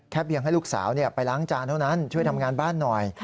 เพียงให้ลูกสาวไปล้างจานเท่านั้นช่วยทำงานบ้านหน่อย